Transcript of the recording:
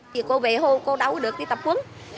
thì cô về hưu cô đâu có được đi tập quấn